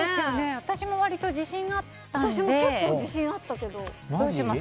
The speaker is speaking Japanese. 私も割と自信あったのでどうします？